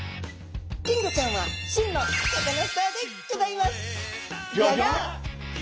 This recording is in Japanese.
金魚ちゃんは真のサカナスターでギョざいます。